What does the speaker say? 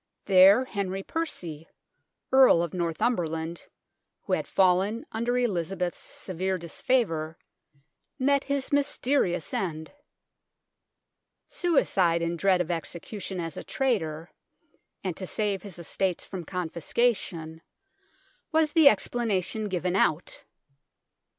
There Henry Percy, Earl of Northumberland, who had fallen under Elizabeth's severe disfavour, met his mysterious end. Suicide in dread of execution as a traitor, and to save his estates from confiscation, was the explanation given out.